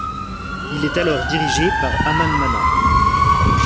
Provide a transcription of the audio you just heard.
Il est alors dirigé par Haman Mana.